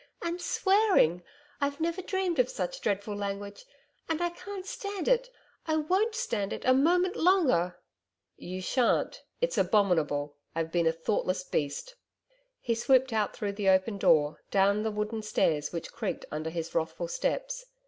And swearing! I've never dreamed of such dreadful language; and I can't stand it I won't stand it a moment longer.' 'You shan't. It's abominable, I've been a thoughtless beast.' He swooped out through the open door, down the wooden stairs which creaked under his wrathful steps.